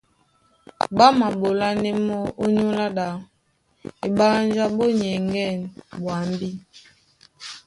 Ɓá maɓolánɛ́ mɔ́ ónyólá ɗā, eɓánjá ɓó nyɛŋgɛ̂ny ɓwambí.